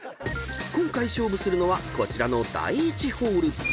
［今回勝負するのはこちらの第１ホール］